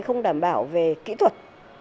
không đảm bảo về kỹ thuật